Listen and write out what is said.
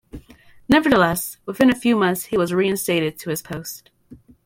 Nevertheless, within a few months he was reinstated to his post.